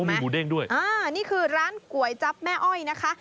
มีหมูเด้งด้วยอ่านี่คือร้านก๋วยจับแม่อ้อยนะคะ